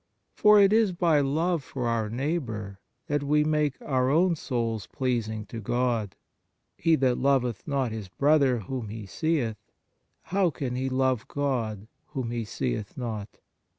For it is by love for our neighbour that we make our own souls pleasing to God. " He that loveth not his brother whom he seeth, how can he love God whom he seeth not